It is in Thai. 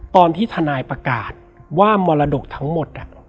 ตอนที่ทนายประกาศว่ามรดกทั้งหมด